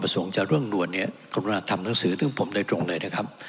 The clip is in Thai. ประสูงจากเรื่องรวดนี้คุณผู้นาธิ์ทำหนังสือซึ่งผมได้ตรงเลยนะครับ